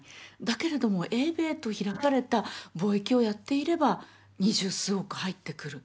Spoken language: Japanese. だけれども英米と開かれた貿易をやっていれば二十数億入ってくる。